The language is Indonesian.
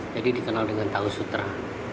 jadi dikenal dengan tahu sutra